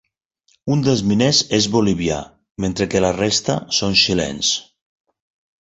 Un dels miners és bolivià, mentre que la resta són xilens.